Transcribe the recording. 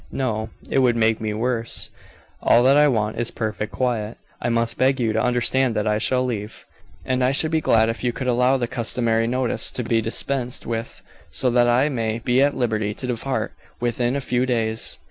"No; it would make me worse. All that I want is perfect quiet. I must beg you to understand that I shall leave. And I should be glad if you could allow the customary notice to be dispensed with, so that I may be at liberty to depart within a few days."